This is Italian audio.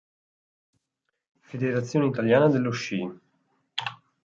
Federazione Italiana dello Sci